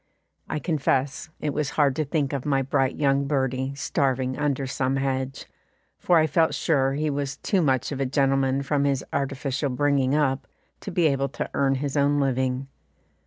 I confess it was hard to think of my bright young birdie starving under some hedge, for I felt sure he was too much of a gentleman from his artificial bringing up to be able to earn his own living.